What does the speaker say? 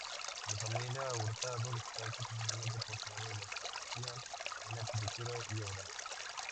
La familia Hurtado destaca, principalmente por tener relación en la arquitectura y obras.